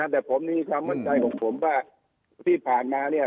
แต่ผมมีความมั่นใจของผมว่าที่ผ่านมาเนี่ย